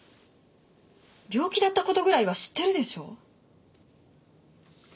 病気だった事ぐらいは知ってるでしょ？